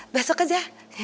hah besok aja